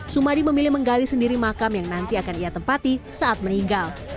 sumadi memilih menggali sendiri makam yang nanti akan ia tempati saat meninggal